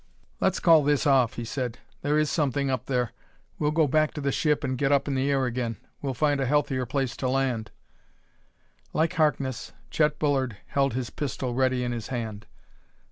"Let's call this off," he said: "there is something up there. We'll go back to the ship and get up in the air again. We'll find a healthier place to land." Like Harkness, Chet Bullard held his pistol ready in his hand.